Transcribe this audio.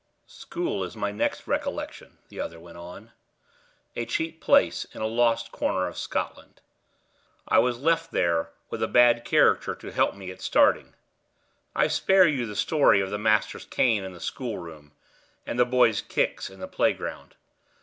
"School is my next recollection," the other went on "a cheap place in a lost corner of Scotland. I was left there, with a bad character to help me at starting. I spare you the story of the master's cane in the schoolroom, and the boys' kicks in the playground.